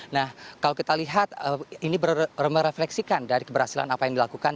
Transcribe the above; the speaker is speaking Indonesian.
nah kalau kita lihat ini merefleksikan dari keberhasilan apa yang dilakukan